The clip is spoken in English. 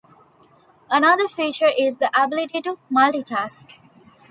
Another feature is the ability to multi-task.